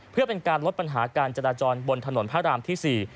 เพื่อเป็นการลดปัญหาการจราจรบนถนนพระรามที่๔